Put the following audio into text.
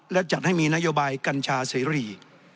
และจัดให้มีนโยบายกัญชาเสรี